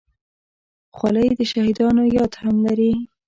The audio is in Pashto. خولۍ د شهیدانو یاد هم لري.